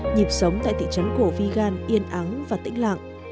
nhịp sống tại thị trấn cổ vigan yên ắng và tĩnh lặng